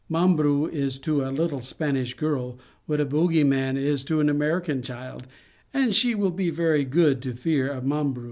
" Mambru is to a little Spanish girl what a bogey is to an American child, and she will be very good for fear of Mambru.